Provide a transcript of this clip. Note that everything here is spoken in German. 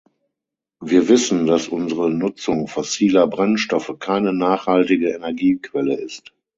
Wir wissen, dass unsere Nutzung fossiler Brennstoffe keine nachhaltige Energiequelle ist.